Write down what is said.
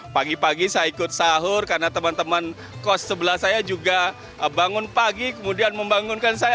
pagi pagi saya ikut sahur karena teman teman kos sebelah saya juga bangun pagi kemudian membangunkan saya